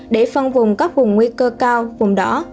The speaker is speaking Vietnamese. để phân vùng các vùng nguy cơ cao vùng đó